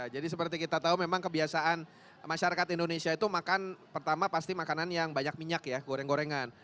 jadi seperti kita tahu memang kebiasaan masyarakat indonesia itu makan pertama pasti makanan yang banyak minyak ya goreng gorengan